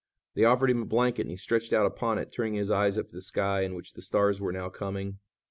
They offered him a blanket and he stretched out upon it, turning his eyes up to the sky, in which the stars were now coming.